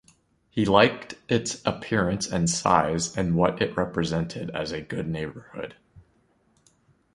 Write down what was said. He liked its appearance and size, and what it represented as a good neighborhood.